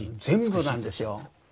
全部なんですよ。